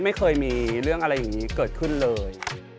ไม่เคยมีเรื่องอะไรอย่างนี้เกิดขึ้นเลย